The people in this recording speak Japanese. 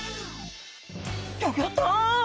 ギョギョッと！